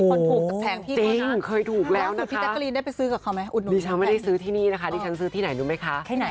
โอ้โหจริงเคยถูกแล้วนะคะดิฉันไม่ได้ซื้อที่นี่นะคะดิฉันซื้อที่ไหนดูไหมคะ